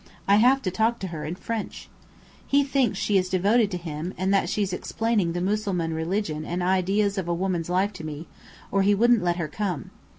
I have to talk to her in French. He thinks she is devoted to him, and that she's explaining the Mussulman religion and ideas of a woman's life to me, or he wouldn't let her come.